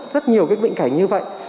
rất nhiều bệnh cảnh như vậy